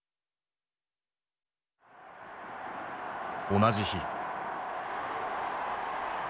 同じ日。